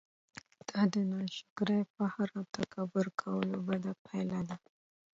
دا د ناشکرۍ، فخر او تکبير کولو بده پايله ده!